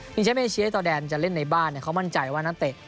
มีแชมป์เอเชียต่อแดนจะเล่นในบ้านเขามั่นใจว่านักเตะ